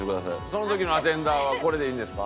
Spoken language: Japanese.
その時のアテンダーはこれでいいんですか？